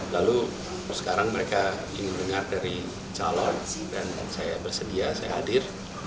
lalu sekarang mereka ingin dengar dari calon dan saya bersedia saya hadir